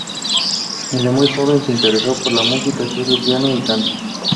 Desde muy joven se interesó por la música, estudió piano y canto.